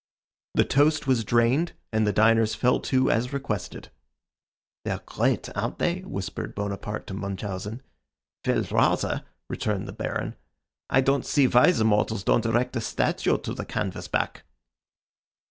The toast was drained, and the diners fell to as requested. "They're great, aren't they?" whispered Bonaparte to Munchausen. "Well, rather," returned the Baron. "I don't see why the mortals don't erect a statue to the canvas back."